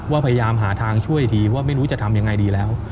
พยายามหาทางช่วยทีว่าไม่รู้จะทำยังไงดีแล้ว